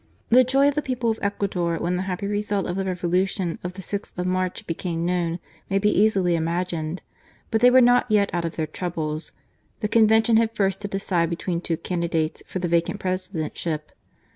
The joy of the people of Ecuador when the happy result of the revolution of the 6th of March became known may be easily imagined. But they were not yet out of their troubles. The Convention had first to decide between two candidates for the vacant presidentship.